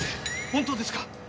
本当ですか？